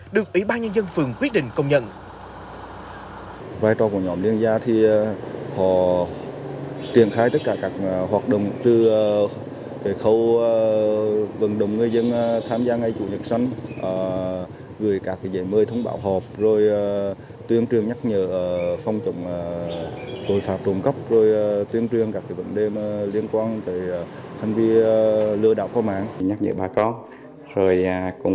được ủy ban nhân dân phường quyết định công nhận